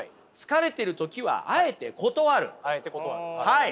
はい。